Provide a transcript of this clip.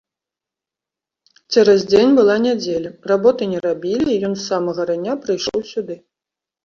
Цераз дзень была нядзеля, работы не рабілі, і ён з самага рання прыйшоў сюды.